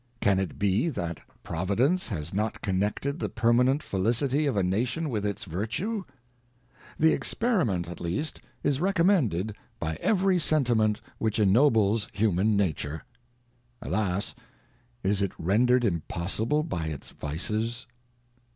Can it be, that Providence has not connected the permanent felicity of a Nation with its virtue ? The experiment, J at least, is recommended by every^sentimeiit^ which ennobles human nature.T^^ŌĆö Alas ! is it rendered impossible by its vices